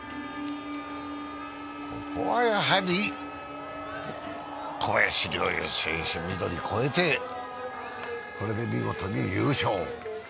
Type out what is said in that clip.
ここはやはり、小林陵侑選手緑を超えてこれで見事に優勝。